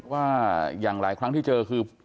ว่าอย่างหลายครั้งที่เจอคือ